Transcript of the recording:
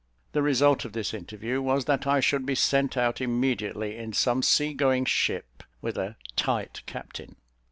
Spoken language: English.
The result of this interview was that I should be sent out immediately in some sea going ship with a "tight captain."